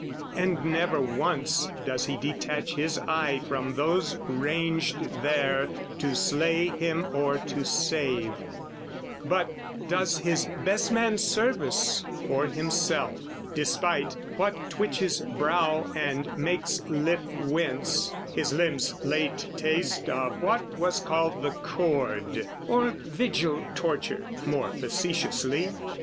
And never once does he detach his eye From those ranged there to slay him or to save, But does his best man's service for himself, Despite, what twitches brow and makes lip wince, His limbs' late taste of what was called the Cord, Or Vigil torture more facetiously.